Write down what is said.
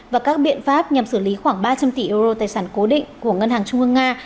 và các biện pháp nhằm xử lý khoảng ba trăm linh tỷ euro tài sản cố định của ngân hàng trung ương nga